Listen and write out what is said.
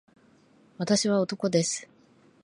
私は男です